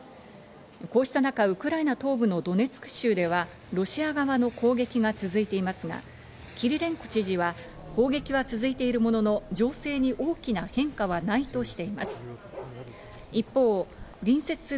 こうした中、ウクライナ東部のドネツク州ではロシア側の攻撃が続いていますが、キリレンコ知事は攻撃は続いているものの、情勢に大きな変化はないとしています。